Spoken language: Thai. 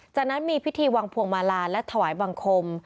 จากนั้นมีพิธีวางพวงมาลาและถวายบังคม